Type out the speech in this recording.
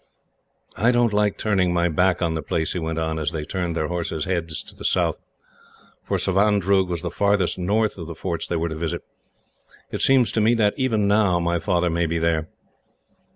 "I don't like turning my back on the place," he went on, as they turned their horses' heads to the south; for Savandroog was the farthest north of the forts they were to visit. "It seems to me that, even now, my father may be there."